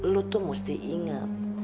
lo tuh mesti inget